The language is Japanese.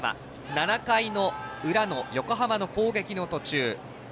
７回の裏の横浜の攻撃の途中。